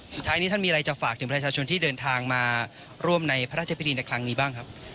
สุดท้ายนี้ท่านมีอะไรจะฝากถึงประชาชนที่เดินทางมาร่วมในพระราชพิธีในครั้งนี้บ้างครับ